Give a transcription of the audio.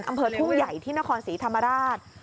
อำเภอทุ่งใหญ่ที่นครศรีธรรมราช